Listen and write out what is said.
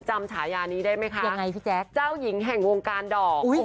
ฉายานี้ได้ไหมคะยังไงพี่แจ๊คเจ้าหญิงแห่งวงการดอก